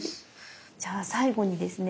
じゃあ最後にですね